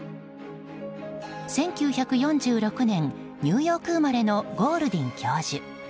１９４６年ニューヨーク生まれのゴールディン教授。